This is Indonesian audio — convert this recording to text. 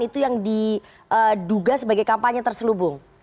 itu yang diduga sebagai kampanye terselubung